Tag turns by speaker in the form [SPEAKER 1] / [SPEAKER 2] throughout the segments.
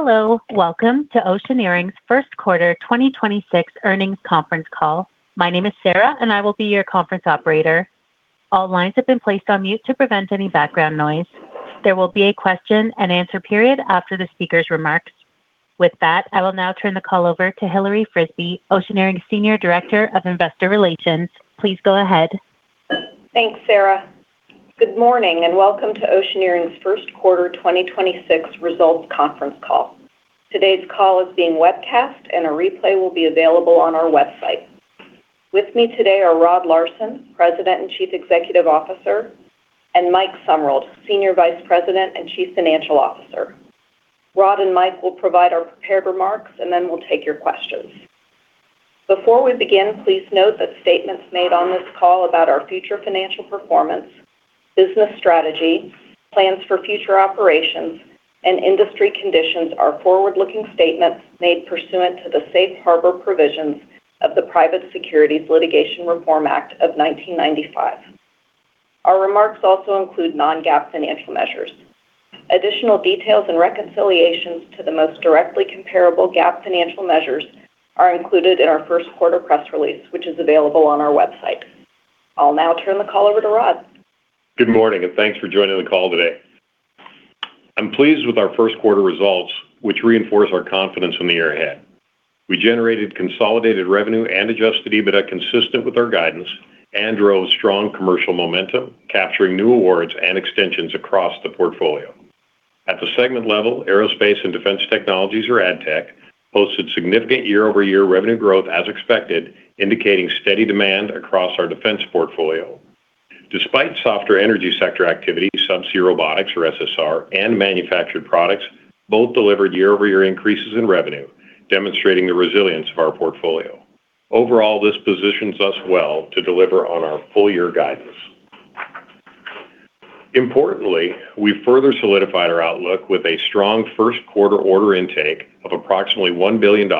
[SPEAKER 1] Hello, welcome to Oceaneering's first quarter 2026 earnings conference call. My name is Sarah and I will be your conference operator. All lines have been placed on mute to prevent any background noise. There will be a question-and-answer period after the speaker's remarks. With that, I will now turn the call over to Hilary Frisbie, Oceaneering's Senior Director of Investor Relations. Please go ahead.
[SPEAKER 2] Thanks, Sarah. Good morning and welcome to Oceaneering's first quarter 2026 results conference call. Today's call is being webcast and a replay will be available on our website. With me today are Rod Larson, President and Chief Executive Officer, and Mike Sumruld, Senior Vice President and Chief Financial Officer. Rod and Mike will provide our prepared remarks, and then we'll take your questions. Before we begin, please note that statements made on this call about our future financial performance, business strategy, plans for future operations, and industry conditions are forward-looking statements made pursuant to the Safe Harbor Provisions of the Private Securities Litigation Reform Act of 1995. Our remarks also include non-GAAP financial measures. Additional details and reconciliations to the most directly comparable GAAP financial measures are included in our first quarter press release, which is available on our website. I'll now turn the call over to Rod.
[SPEAKER 3] Good morning, and thanks for joining the call today. I'm pleased with our first quarter results, which reinforce our confidence in the year ahead. We generated consolidated revenue and adjusted EBITDA consistent with our guidance and drove strong commercial momentum, capturing new awards and extensions across the portfolio. At the segment level, Aerospace and Defense Technologies, or ADTECH, posted significant year-over-year revenue growth as expected, indicating steady demand across our defense portfolio. Despite softer energy sector activity, Subsea Robotics, or SSR, and manufactured products both delivered year-over-year increases in revenue, demonstrating the resilience of our portfolio. Overall, this positions us well to deliver on our full-year guidance. Importantly, we further solidified our outlook with a strong first quarter order intake of approximately $1 billion,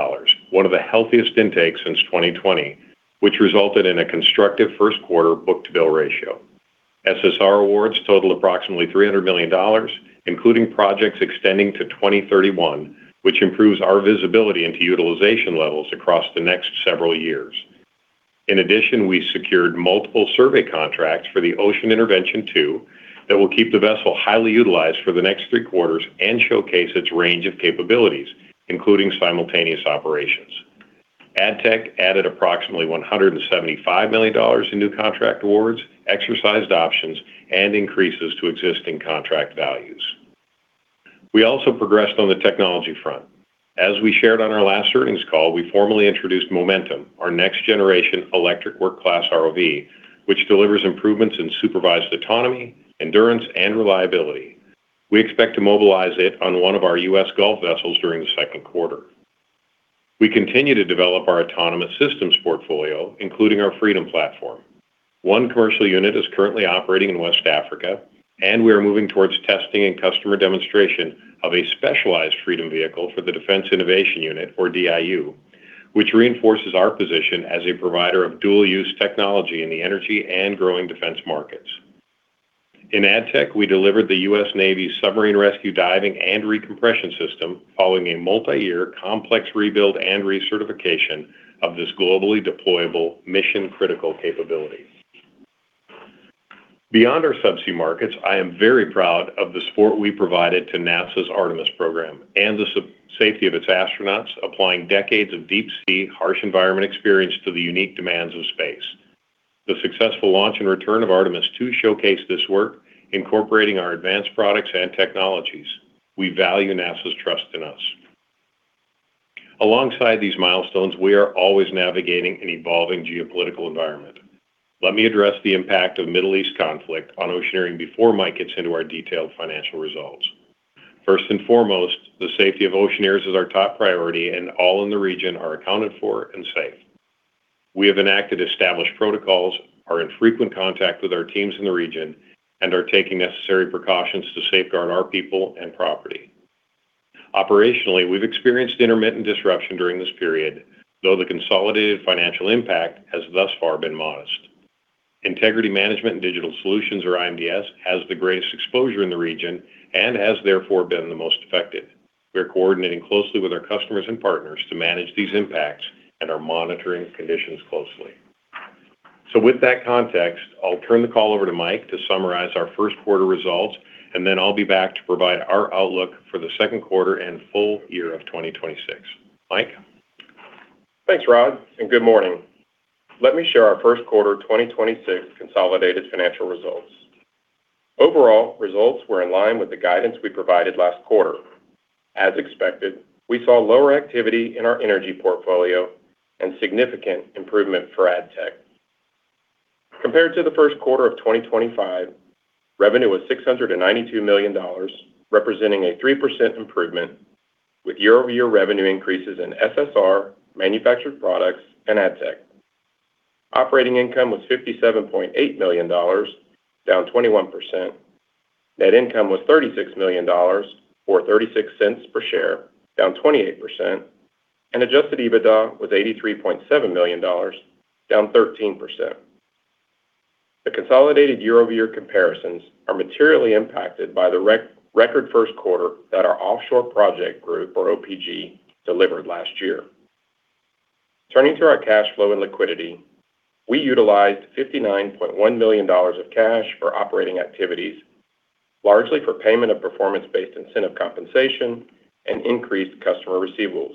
[SPEAKER 3] one of the healthiest intakes since 2020, which resulted in a constructive first quarter book-to-bill ratio. SSR awards total approximately $300 million, including projects extending to 2031, which improves our visibility into utilization levels across the next several years. In addition, we secured multiple survey contracts for the Ocean Intervention II that will keep the vessel highly utilized for the next three quarters and showcase its range of capabilities, including simultaneous operations. ADTECH added approximately $175 million in new contract awards, exercised options, and increases to existing contract values. We also progressed on the technology front. As we shared on our last earnings call, we formally introduced Momentum, our next-generation electric work class ROV, which delivers improvements in supervised autonomy, endurance, and reliability. We expect to mobilize it on one of our U.S. Gulf vessels during the second quarter. We continue to develop our autonomous systems portfolio, including our Freedom platform. One commercial unit is currently operating in West Africa, and we are moving towards testing and customer demonstration of a specialized Freedom vehicle for the Defense Innovation Unit, or DIU, which reinforces our position as a provider of dual-use technology in the energy and growing defense markets. In ADTECH, we delivered the U.S. Navy's submarine rescue diving and recompression system following a multi-year complex rebuild and recertification of this globally deployable mission-critical capability. Beyond our subsea markets, I am very proud of the support we provided to NASA's Artemis program and the safety of its astronauts, applying decades of deep sea, harsh environment experience to the unique demands of space. The successful launch and return of Artemis II showcased this work, incorporating our advanced products and technologies. We value NASA's trust in us. Alongside these milestones, we are always navigating an evolving geopolitical environment. Let me address the impact of Middle East conflict on Oceaneering before Mike gets into our detailed financial results. First and foremost, the safety of Oceaneers is our top priority, and all in the region are accounted for and safe. We have enacted established protocols, are in frequent contact with our teams in the region, and are taking necessary precautions to safeguard our people and property. Operationally, we've experienced intermittent disruption during this period, though the consolidated financial impact has thus far been modest. Integrity Management and Digital Solutions, or IMDS, has the greatest exposure in the region and has therefore been the most affected. We are coordinating closely with our customers and partners to manage these impacts and are monitoring conditions closely. With that context, I'll turn the call over to Mike to summarize our first quarter results, and then I'll be back to provide our outlook for the second quarter and full year of 2026. Mike?
[SPEAKER 4] Thanks, Rod, and good morning. Let me share our first quarter 2026 consolidated financial results. Overall results were in line with the guidance we provided last quarter. As expected, we saw lower activity in our energy portfolio and significant improvement for ADTECH. Compared to the first quarter of 2025, revenue was $692 million, representing a 3% improvement with year-over-year revenue increases in SSR, manufactured products, and ADTECH. Operating income was $57.8 million, down 21%. Net income was $36 million, or $0.36 per share, down 28%, and adjusted EBITDA was $83.7 million, down 13%. The consolidated year-over-year comparisons are materially impacted by the record first quarter that our Offshore Projects Group, or OPG, delivered last year. Turning to our cash flow and liquidity, we utilized $59.1 million of cash for operating activities, largely for payment of performance-based incentive compensation and increased customer receivables.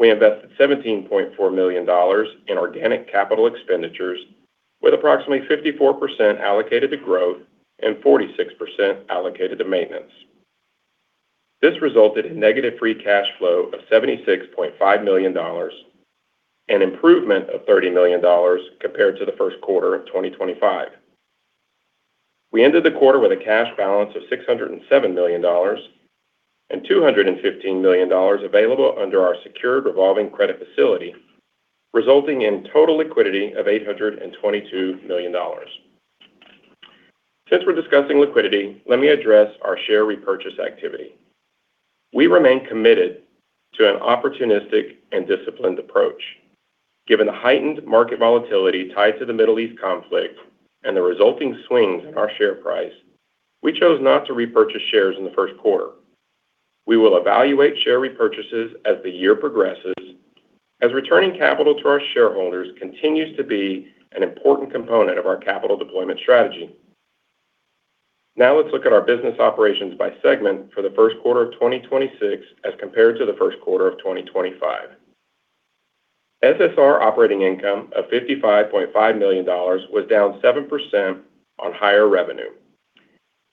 [SPEAKER 4] We invested $17.4 million in organic capital expenditures, with approximately 54% allocated to growth and 46% allocated to maintenance. This resulted in negative free cash flow of $76.5 million, an improvement of $30 million compared to the first quarter of 2025. We ended the quarter with a cash balance of $607 million and $215 million available under our secured revolving credit facility, resulting in total liquidity of $822 million. Since we're discussing liquidity, let me address our share repurchase activity. We remain committed to an opportunistic and disciplined approach. Given the heightened market volatility tied to the Middle East conflict and the resulting swings in our share price, we chose not to repurchase shares in the first quarter. We will evaluate share repurchases as the year progresses, as returning capital to our shareholders continues to be an important component of our capital deployment strategy. Now let's look at our business operations by segment for the first quarter of 2026 as compared to the first quarter of 2025. SSR operating income of $55.5 million was down 7% on higher revenue.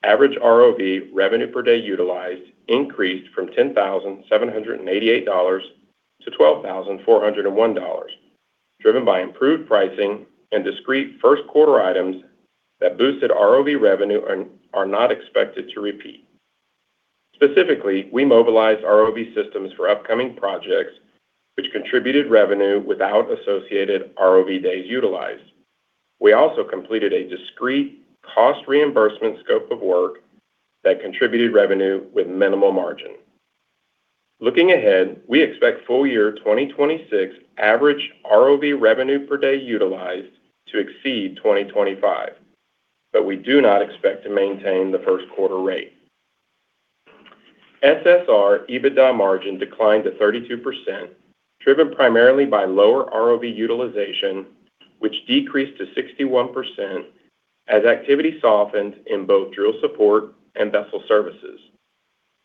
[SPEAKER 4] Average ROV revenue per day utilized increased from $10,788-$12,401, driven by improved pricing and discrete first quarter items that boosted ROV revenue and are not expected to repeat. Specifically, we mobilized ROV systems for upcoming projects, which contributed revenue without associated ROV days utilized. We also completed a discrete cost reimbursement scope of work that contributed revenue with minimal margin. Looking ahead, we expect full year 2026 average ROV revenue per day utilized to exceed 2025, but we do not expect to maintain the first quarter rate. SSR EBITDA margin declined to 32%, driven primarily by lower ROV utilization, which decreased to 61% as activity softened in both drill support and vessel services.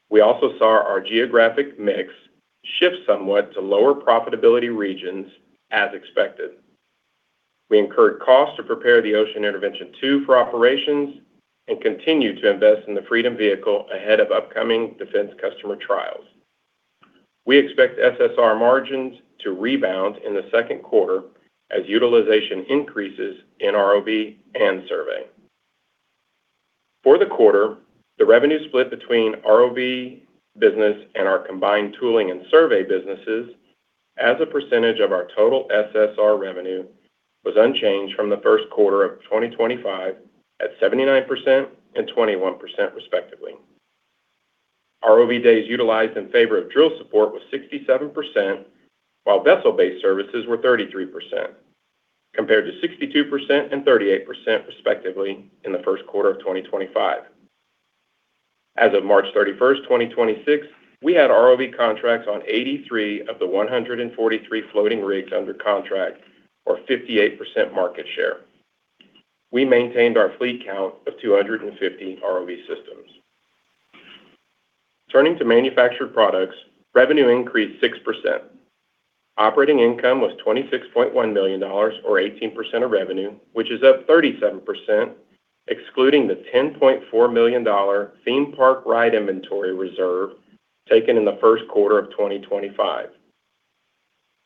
[SPEAKER 4] We also saw our geographic mix shift somewhat to lower profitability regions as expected. We incurred costs to prepare the Ocean Intervention II for operations and continue to invest in the Freedom vehicle ahead of upcoming defense customer trials. We expect SSR margins to rebound in the second quarter as utilization increases in ROV and survey. For the quarter, the revenue split between ROV business and our combined tooling and survey businesses, as a percentage of our total SSR revenue, was unchanged from the first quarter of 2025 at 79% and 21% respectively. ROV days utilized in favor of drill support was 67%, while vessel-based services were 33%, compared to 62% and 38% respectively in the first quarter of 2025. As of March 31st, 2026, we had ROV contracts on 83 of the 143 floating rigs under contract, or 58% market share. We maintained our fleet count of 250 ROV systems. Turning to manufactured products, revenue increased 6%. Operating income was $26.1 million, or 18% of revenue, which is up 37%, excluding the $10.4 million theme park ride inventory reserve taken in the first quarter of 2025.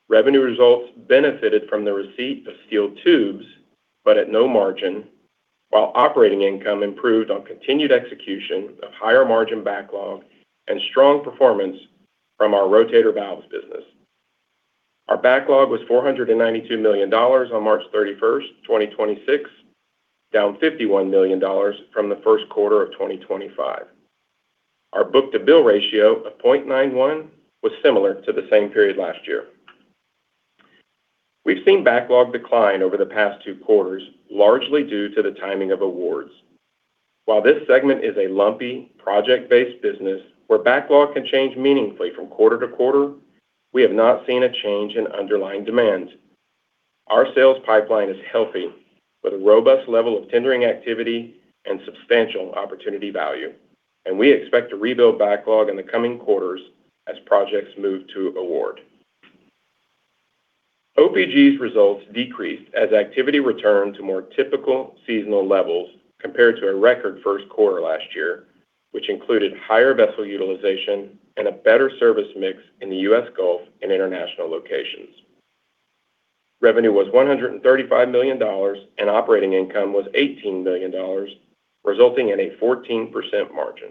[SPEAKER 4] Revenue results benefited from the receipt of steel tubes, but at no margin, while operating income improved on continued execution of higher-margin backlog and strong performance from our Rotator valves business. Our backlog was $492 million on March 31st, 2026, down $51 million from the first quarter of 2025. Our book-to-bill ratio of 0.91 was similar to the same period last year. We've seen backlog decline over the past two quarters, largely due to the timing of awards. While this segment is a lumpy, project-based business where backlog can change meaningfully from quarter to quarter, we have not seen a change in underlying demand. Our sales pipeline is healthy with a robust level of tendering activity and substantial opportunity value, and we expect to rebuild backlog in the coming quarters as projects move to award. OPG's results decreased as activity returned to more typical seasonal levels compared to a record first quarter last year, which included higher vessel utilization and a better service mix in the U.S. Gulf and international locations. Revenue was $135 million, and operating income was $18 million, resulting in a 14% margin.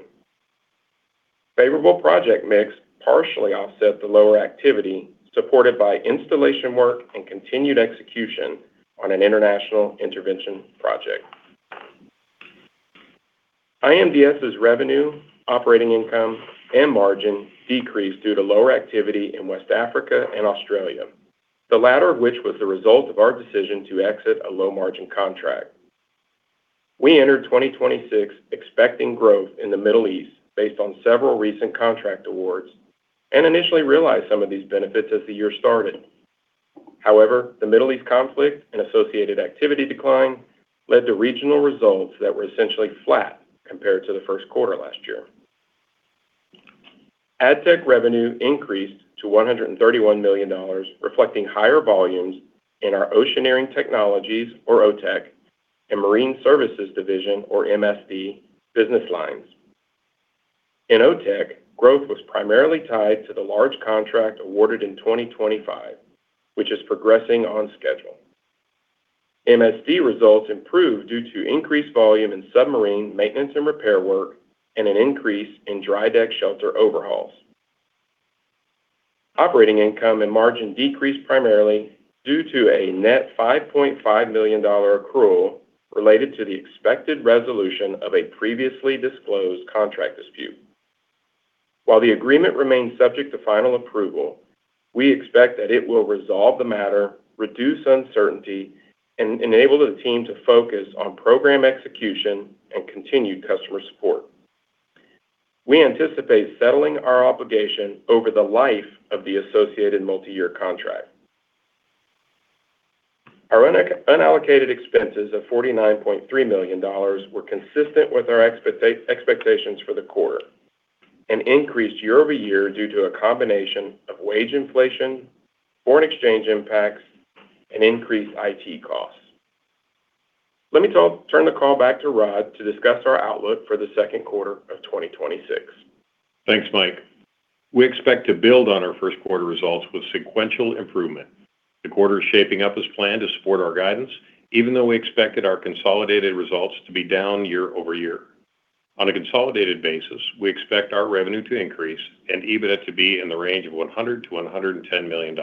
[SPEAKER 4] Favorable project mix partially offset the lower activity, supported by installation work and continued execution on an international intervention project. IMDS's revenue, operating income, and margin decreased due to lower activity in West Africa and Australia, the latter of which was the result of our decision to exit a low-margin contract. We entered 2026 expecting growth in the Middle East based on several recent contract awards and initially realized some of these benefits as the year started. However, the Middle East conflict and associated activity decline led to regional results that were essentially flat compared to the first quarter last year. ADTECH revenue increased to $131 million, reflecting higher volumes in our Oceaneering Technologies, or OTECH, and Marine Services Division, or MSD, business lines. In OTECH, growth was primarily tied to the large contract awarded in 2025, which is progressing on schedule. MSD results improved due to increased volume in submarine maintenance and repair work and an increase in dry deck shelter overhauls. Operating income and margin decreased primarily due to a net $5.5 million accrual related to the expected resolution of a previously disclosed contract dispute. While the agreement remains subject to final approval, we expect that it will resolve the matter, reduce uncertainty, and enable the team to focus on program execution and continued customer support. We anticipate settling our obligation over the life of the associated multi-year contract. Our unallocated expenses of $49.3 million were consistent with our expectations for the quarter and increased year-over-year due to a combination of wage inflation, foreign exchange impacts, and increased IT costs. Let me turn the call back to Rod to discuss our outlook for the second quarter of 2026.
[SPEAKER 3] Thanks, Mike. We expect to build on our first quarter results with sequential improvement. The quarter is shaping up as planned to support our guidance, even though we expected our consolidated results to be down year-over-year. On a consolidated basis, we expect our revenue to increase and EBITDA to be in the range of $100 million-$110 million,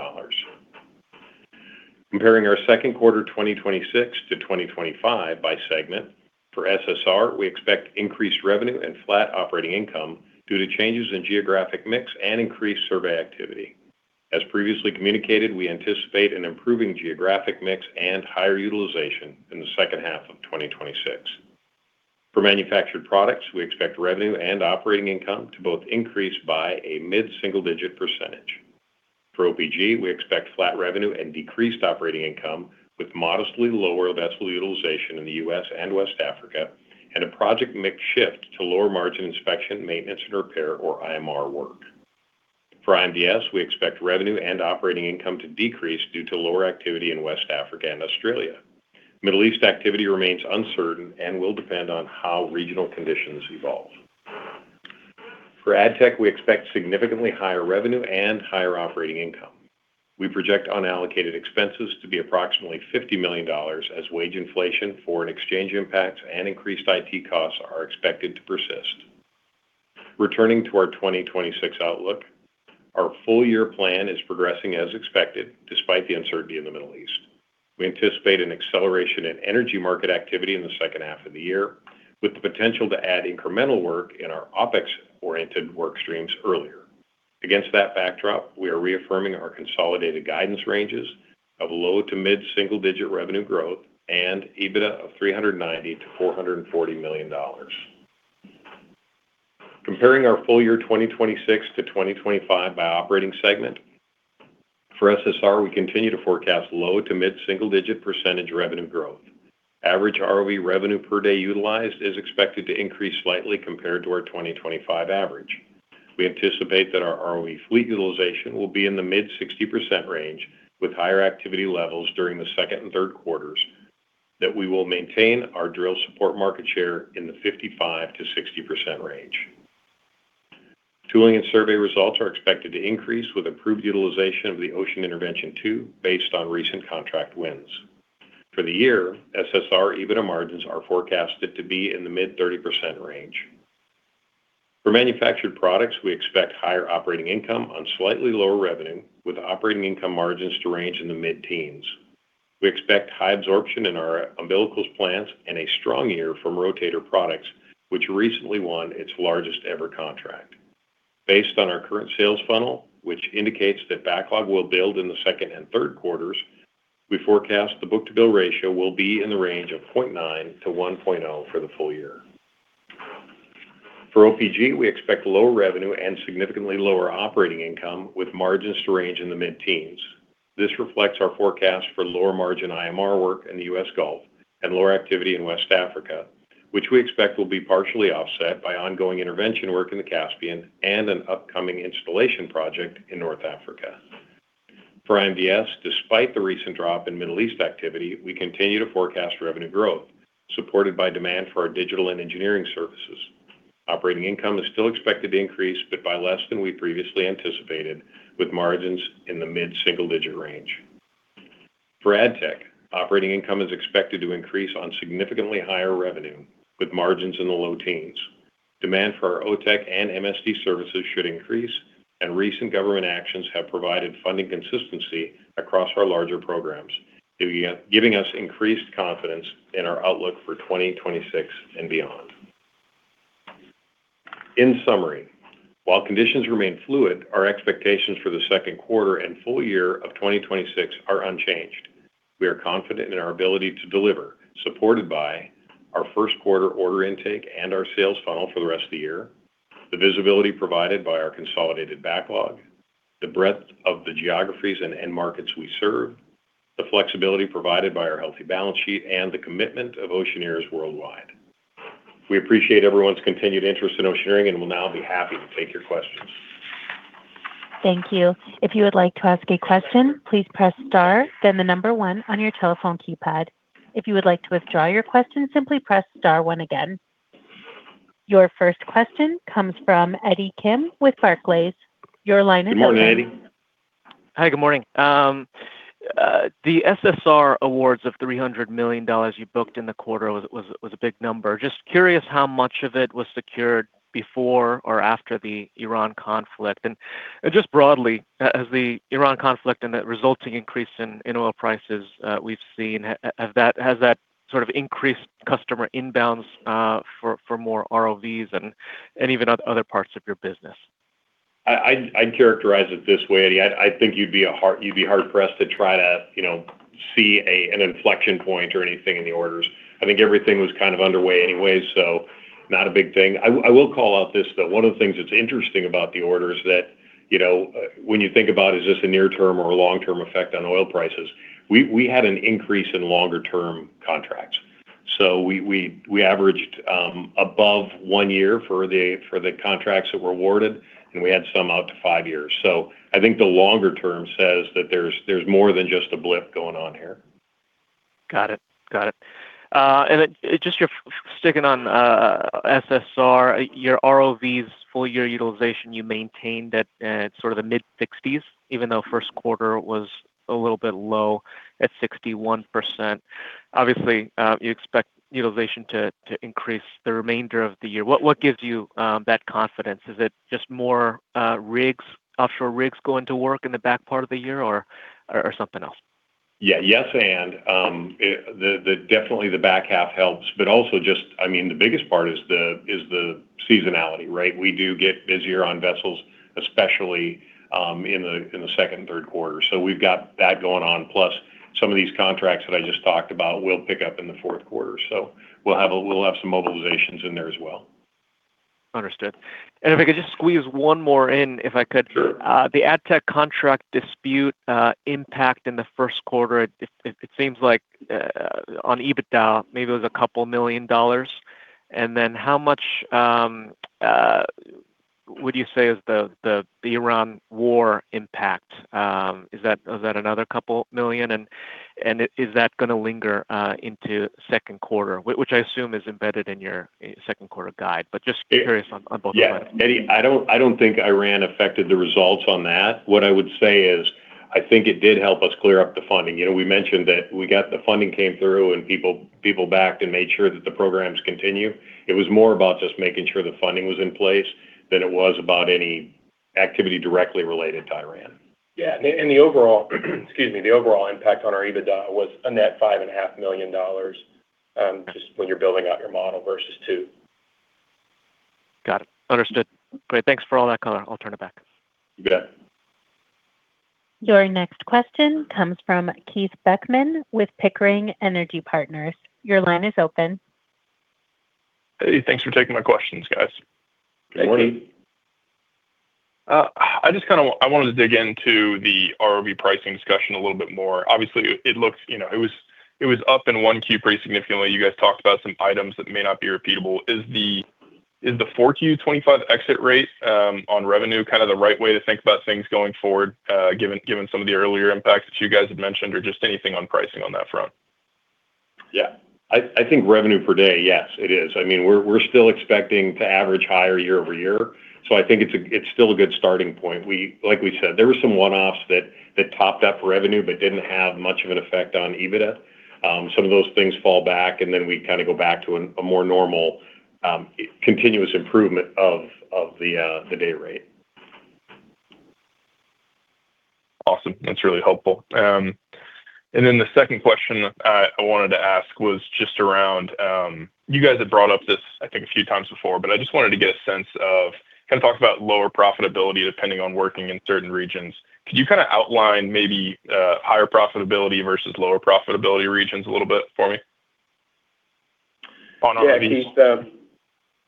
[SPEAKER 3] comparing our second quarter 2026 to 2025 by segment. For SSR, we expect increased revenue and flat operating income due to changes in geographic mix and increased survey activity. As previously communicated, we anticipate an improving geographic mix and higher utilization in the second half of 2026. For manufactured products, we expect revenue and operating income to both increase by a mid-single-digit percentage. For OPG, we expect flat revenue and decreased operating income with modestly lower vessel utilization in the U.S. and West Africa and a project mix shift to lower-margin inspection, maintenance, and repair, or IMR work. For IMDS, we expect revenue and operating income to decrease due to lower activity in West Africa and Australia. Middle East activity remains uncertain and will depend on how regional conditions evolve. For ADTECH, we expect significantly higher revenue and higher operating income. We project unallocated expenses to be approximately $50 million as wage inflation, foreign exchange impacts, and increased IT costs are expected to persist. Returning to our 2026 outlook, our full-year plan is progressing as expected, despite the uncertainty in the Middle East. We anticipate an acceleration in energy market activity in the second half of the year, with the potential to add incremental work in our OpEx-oriented work streams earlier. Against that backdrop, we are reaffirming our consolidated guidance ranges of low- to mid-single-digit revenue growth and EBITDA of $390 million-$440 million. Comparing our full year 2026 to 2025 by operating segment, for SSR, we continue to forecast low- to mid-single-digit percentage revenue growth. Average ROV revenue per day utilized is expected to increase slightly compared to our 2025 average. We anticipate that our ROV fleet utilization will be in the mid-60% range with higher activity levels during the second and third quarters, that we will maintain our drill support market share in the 55%-60% range. Tooling and survey results are expected to increase with improved utilization of the Ocean Intervention II based on recent contract wins. For the year, SSR EBITDA margins are forecasted to be in the mid-30% range. For manufactured products, we expect higher operating income on slightly lower revenue, with operating income margins to range in the mid-teens. We expect high absorption in our umbilicals plants and a strong year from Rotator products, which recently won its largest-ever contract. Based on our current sales funnel, which indicates that backlog will build in the second and third quarters, we forecast the book-to-bill ratio will be in the range of 0.9-1.0 for the full year. For OPG, we expect lower revenue and significantly lower operating income, with margins to range in the mid-teens. This reflects our forecast for lower-margin IMR work in the U.S. Gulf and lower activity in West Africa, which we expect will be partially offset by ongoing intervention work in the Caspian and an upcoming installation project in North Africa. For IMDS, despite the recent drop in Middle East activity, we continue to forecast revenue growth, supported by demand for our digital and engineering services. Operating income is still expected to increase, but by less than we previously anticipated, with margins in the mid-single-digit range. For ADTECH, operating income is expected to increase on significantly higher revenue, with margins in the low teens. Demand for our OTECH and MSD services should increase, and recent government actions have provided funding consistency across our larger programs, giving us increased confidence in our outlook for 2026 and beyond. In summary, while conditions remain fluid, our expectations for the second quarter and full year of 2026 are unchanged. We are confident in our ability to deliver, supported by our first quarter order intake and our sales funnel for the rest of the year, the visibility provided by our consolidated backlog, the breadth of the geographies and end markets we serve, the flexibility provided by our healthy balance sheet, and the commitment of Oceaneers worldwide. We appreciate everyone's continued interest in Oceaneering and will now be happy to take your questions.
[SPEAKER 1] Thank you. If you would like to ask a question, please press star, then the number one on your telephone keypad. If you would like to withdraw your question, simply press star one again. Your first question comes from Eddie Kim with Barclays. Your line is open.
[SPEAKER 3] Good morning, Eddie.
[SPEAKER 5] Hi, good morning. The SSR awards of $300 million you booked in the quarter was a big number. Just curious how much of it was secured before or after the Iran conflict. Just broadly, has the Iran conflict and the resulting increase in oil prices we've seen, has that sort of increased customer inbounds for more ROVs and even other parts of your business?
[SPEAKER 3] I'd characterize it this way, Eddie. I think you'd be hard-pressed to try to see an inflection point or anything in the orders. I think everything was kind of underway anyway, so not a big thing. I will call out this, though. One of the things that's interesting about the orders that when you think about is this a near-term or a long-term effect on oil prices, we had an increase in longer-term contracts. We averaged above one year for the contracts that were awarded, and we had some out to five years. I think the longer term says that there's more than just a blip going on here.
[SPEAKER 5] Got it. Just sticking on SSR, your ROVs full year utilization, you maintained at sort of the mid-60s, even though first quarter was a little bit low at 61%. Obviously, you expect utilization to increase the remainder of the year. What gives you that confidence? Is it just more offshore rigs going to work in the back part of the year or something else?
[SPEAKER 3] Definitely the back half helps, but also just the biggest part is the seasonality, right? We do get busier on vessels, especially in the second and third quarter. We've got that going on, plus some of these contracts that I just talked about will pick up in the fourth quarter. We'll have some mobilizations in there as well.
[SPEAKER 5] Understood. If I could just squeeze one more in, if I could.
[SPEAKER 3] Sure.
[SPEAKER 5] The ADTECH contract dispute impact in the first quarter, it seems like on EBITDA, maybe it was $2 million. Then how much would you say is the Iran war impact? Is that another $2 million? Is that going to linger into second quarter? Which I assume is embedded in your second quarter guide, but just curious on both points.
[SPEAKER 3] Yeah. Eddie, I don't think Iran affected the results on that. What I would say is, I think it did help us clear up the funding. We mentioned that we got the funding came through and people backed and made sure that the programs continue. It was more about just making sure the funding was in place than it was about any activity directly related to Iran.
[SPEAKER 4] Yeah. The overall impact on our EBITDA was a net $5.5 million, just when you're building out your model versus Q2.
[SPEAKER 5] Got it. Understood. Great. Thanks for all that color. I'll turn it back.
[SPEAKER 3] You bet.
[SPEAKER 1] Your next question comes from Keith Beckman with Pickering Energy Partners. Your line is open.
[SPEAKER 6] Hey, thanks for taking my questions, guys.
[SPEAKER 3] Good morning.
[SPEAKER 6] I wanted to dig into the ROV pricing discussion a little bit more. Obviously, it was up in 1Q pretty significantly. You guys talked about some items that may not be repeatable. Is the 4Q 2025 exit rate on revenue kind of the right way to think about things going forward given some of the earlier impacts that you guys had mentioned or just anything on pricing on that front?
[SPEAKER 3] Yeah. I think revenue per day, yes, it is. We're still expecting to average higher year-over-year. I think it's still a good starting point. Like we said, there were some one-offs that topped up revenue but didn't have much of an effect on EBITDA. Some of those things fall back, and then we kind of go back to a more normal, continuous improvement of the day rate.
[SPEAKER 6] Awesome. That's really helpful. The second question I wanted to ask was just around, you guys have brought up this I think a few times before, but I just wanted to get a sense of, kind of talk about lower profitability depending on working in certain regions. Could you kind of outline maybe higher profitability versus lower profitability regions a little bit for me? On ROVs.
[SPEAKER 4] Yeah, Keith.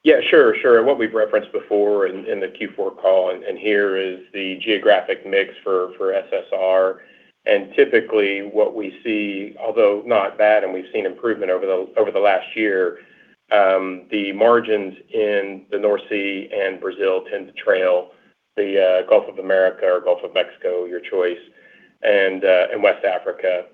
[SPEAKER 4] Yeah, sure. What we've referenced before in the Q4 call and here is the geographic mix for SSR. Typically what we see, although not bad and we've seen improvement over the last year, the margins in the North Sea and Brazil tend to trail the Gulf of Mexico or Gulf of Mexico, your choice, and West Africa.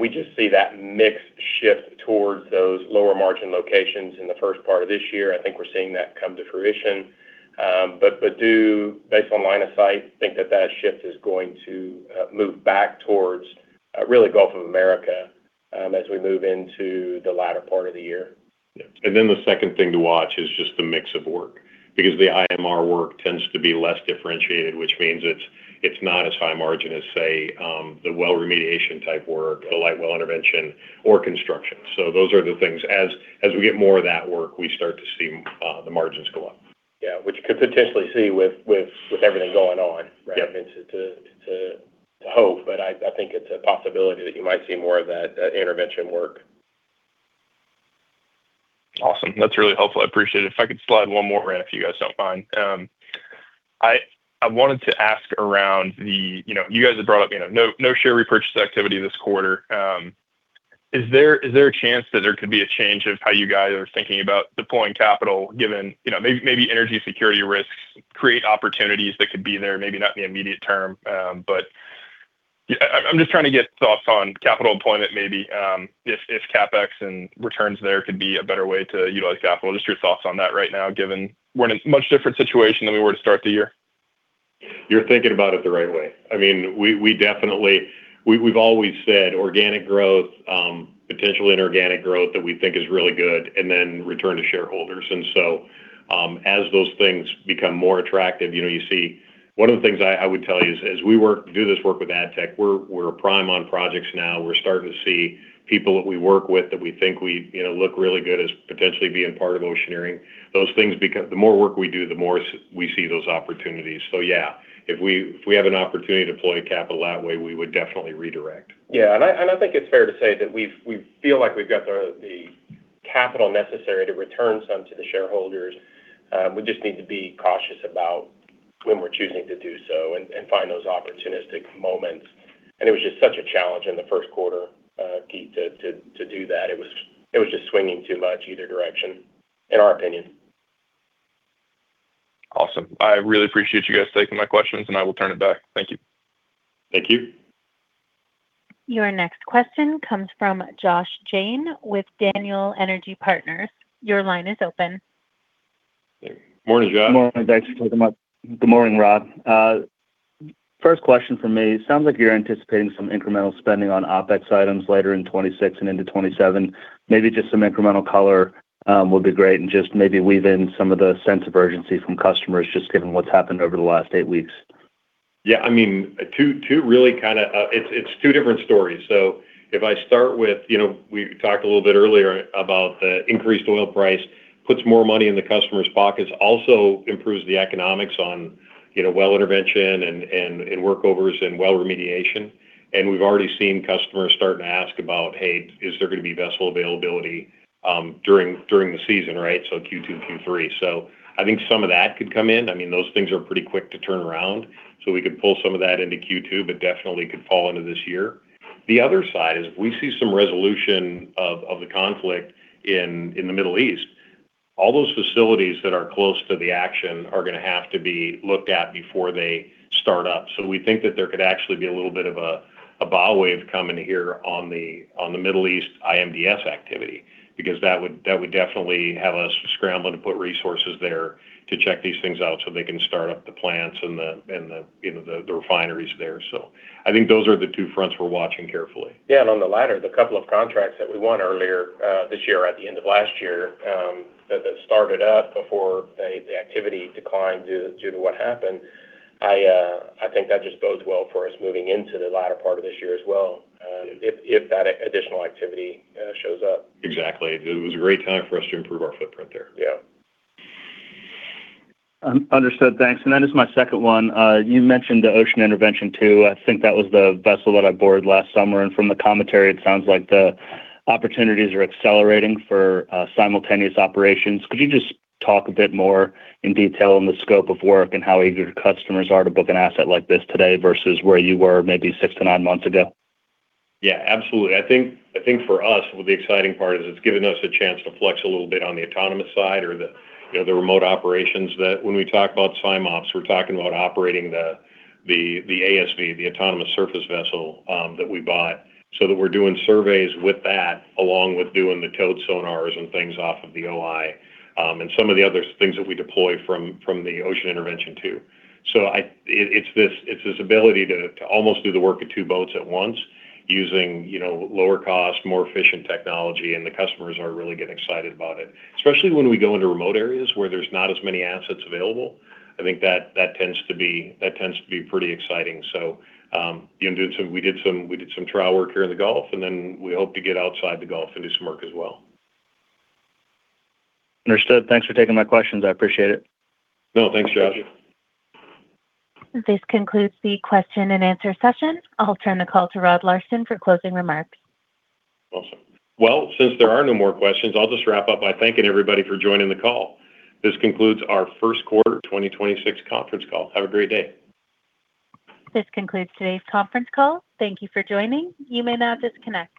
[SPEAKER 4] We just see that mix shift towards those lower margin locations in the first part of this year. I think we're seeing that come to fruition. Do, based on line of sight, think that shift is going to move back towards really Gulf of Mexico As we move into the latter part of the year.
[SPEAKER 3] Yeah. The second thing to watch is just the mix of work because the IMR work tends to be less differentiated, which means it's not as high margin as, say, the well remediation type work, the light well intervention or construction. Those are the things, as we get more of that work, we start to see the margins go up.
[SPEAKER 4] Yeah. Which you could potentially see with everything going on, right?
[SPEAKER 3] Yeah.
[SPEAKER 4] I mean, to hope, but I think it's a possibility that you might see more of that intervention work.
[SPEAKER 6] Awesome. That's really helpful, I appreciate it. If I could slide one more in, if you guys don't mind. I wanted to ask, you guys have brought up no share repurchase activity this quarter. Is there a chance that there could be a change of how you guys are thinking about deploying capital given maybe energy security risks create opportunities that could be there, maybe not in the immediate term. I'm just trying to get thoughts on capital deployment, maybe, if CapEx and returns there could be a better way to utilize capital. Just your thoughts on that right now, given we're in a much different situation than we were to start the year.
[SPEAKER 3] You're thinking about it the right way. We've always said organic growth, potential inorganic growth that we think is really good, and then return to shareholders. As those things become more attractive, you see one of the things I would tell you is as we do this work with ADTECH, we're prime on projects now. We're starting to see people that we work with that we think look really good as potentially being part of Oceaneering. Those things, the more work we do, the more we see those opportunities. Yeah, if we have an opportunity to deploy capital that way, we would definitely redirect.
[SPEAKER 4] Yeah. I think it's fair to say that we feel like we've got the capital necessary to return some to the shareholders. We just need to be cautious about when we're choosing to do so and find those opportunistic moments. It was just such a challenge in the first quarter, Keith, to do that. It was just swinging too much either direction, in our opinion.
[SPEAKER 6] Awesome. I really appreciate you guys taking my questions, and I will turn it back. Thank you.
[SPEAKER 3] Thank you.
[SPEAKER 1] Your next question comes from Josh Jayne with Daniel Energy Partners. Your line is open.
[SPEAKER 3] Morning, Josh.
[SPEAKER 7] Morning. Good morning, Rod. First question from me, sounds like you're anticipating some incremental spending on OpEx items later in 2026 and into 2027. Maybe just some incremental color would be great, and just maybe weave in some of the sense of urgency from customers, just given what's happened over the last eight weeks.
[SPEAKER 3] Yeah. It's two different stories. If I start with, we talked a little bit earlier about the increased oil price puts more money in the customer's pockets, also improves the economics on well intervention and workovers and well remediation. We've already seen customers starting to ask about, "Hey, is there going to be vessel availability during the season?" Right? Q2, Q3. I think some of that could come in. Those things are pretty quick to turn around, so we could pull some of that into Q2, but definitely could fall into this year. The other side is if we see some resolution of the conflict in the Middle East, all those facilities that are close to the action are gonna have to be looked at before they start up. We think that there could actually be a little bit of a bow wave coming here on the Middle East IMDS activity, because that would definitely have us scrambling to put resources there to check these things out so they can start up the plants and the refineries there. I think those are the two fronts we're watching carefully.
[SPEAKER 4] Yeah. On the latter, the couple of contracts that we won earlier this year or at the end of last year, that started up before the activity declined due to what happened, I think that just bodes well for us moving into the latter part of this year as well, if that additional activity shows up.
[SPEAKER 3] Exactly. It was a great time for us to improve our footprint there.
[SPEAKER 4] Yeah.
[SPEAKER 7] Understood. Thanks. As my second one, you mentioned the Ocean Intervention II. I think that was the vessel that I boarded last summer, and from the commentary, it sounds like the opportunities are accelerating for simultaneous operations. Could you just talk a bit more in detail on the scope of work and how eager customers are to book an asset like this today versus where you were maybe six-nine months ago?
[SPEAKER 3] Yeah, absolutely. I think for us, the exciting part is it's given us a chance to flex a little bit on the autonomous side or the remote operations that when we talk about SIMOPS, we're talking about operating the ASV, the autonomous surface vessel, that we bought, so that we're doing surveys with that along with doing the towed sonars and things off of the OI, and some of the other things that we deploy from the Ocean Intervention II. It's this ability to almost do the work of two boats at once using lower cost, more efficient technology, and the customers are really getting excited about it. Especially when we go into remote areas where there's not as many assets available. I think that tends to be pretty exciting. We did some trial work here in the Gulf, and then we hope to get outside the Gulf and do some work as well.
[SPEAKER 7] Understood. Thanks for taking my questions. I appreciate it.
[SPEAKER 3] No, thanks, Josh.
[SPEAKER 1] This concludes the question and answer session. I'll turn the call to Rod Larson for closing remarks.
[SPEAKER 3] Well, since there are no more questions, I'll just wrap up by thanking everybody for joining the call. This concludes our first quarter 2026 conference call. Have a great day.
[SPEAKER 1] This concludes today's conference call. Thank you for joining. You may now disconnect.